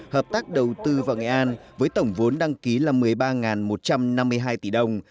hợp tác đầu tư vào nghệ an với tổng vốn đăng ký là một mươi ba một trăm năm mươi hai tỷ đồng